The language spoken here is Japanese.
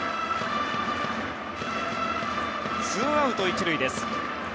ツーアウト１塁です。